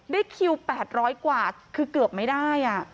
คิว๘๐๐กว่าคือเกือบไม่ได้